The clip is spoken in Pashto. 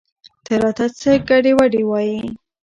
ته راته څه ګډې وګډې وايې؟